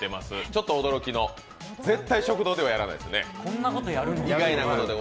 ちょっと驚きの絶対食堂ではやらないですよね。